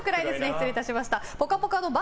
失礼いたしました。